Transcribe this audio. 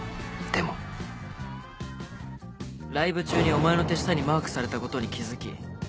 でもライブ中にお前の手下にマークされたことに気付き